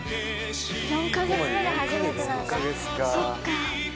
４か月目で初めてなんだそっか。